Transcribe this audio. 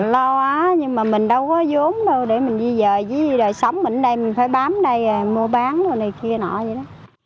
lo quá nhưng mà mình đâu có vốn đâu để mình đi về chứ sống mình ở đây mình phải bám đây mua bán rồi này kia nọ vậy đó